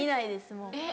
もう。